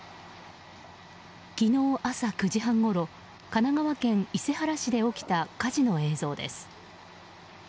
昨日朝９時半ごろ神奈川県伊勢原市で起きた火事の映像です。